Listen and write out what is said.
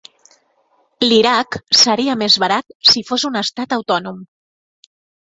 L'Iraq seria més barat si fos un estat autònom.